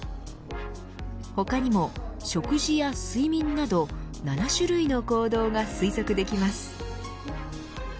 他にも食事や睡眠など７種類の行動が推測できます。